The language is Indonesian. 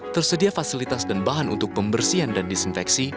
tersedia fasilitas dan bahan untuk pembersihan dan disinfeksi